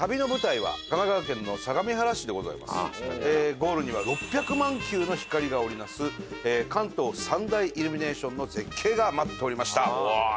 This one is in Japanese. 「ゴールには６００万球の光が織り成す関東三大イルミネーションの絶景が待っておりました」